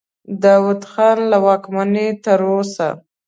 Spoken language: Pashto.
د داود خان له واکمنۍ تر اوسه.